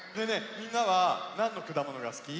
みんなはなんのくだものがすき？